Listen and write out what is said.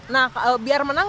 nah biar menang